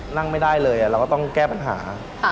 นั่งไม่ได้เลยเราก็ต้องแก้ปัญหา